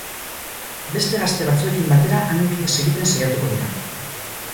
Beste gazte batzuekin batera, handik ihes egiten saiatuko dira.